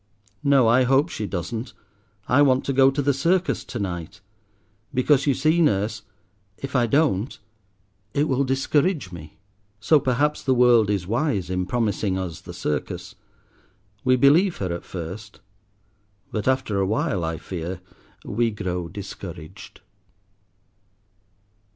"No, I hope she doesn't. I want to go to the circus to night. Because, you see, nurse, if I don't it will discourage me." So, perhaps the world is wise in promising us the circus. We believe her at first. But after a while, I fear, we grow discouraged.